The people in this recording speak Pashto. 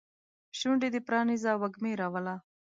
شونډې دې پرانیزه وږمې راوله